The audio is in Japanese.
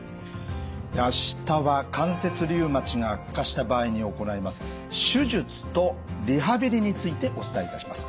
明日は関節リウマチが悪化した場合に行います手術とリハビリについてお伝えいたします。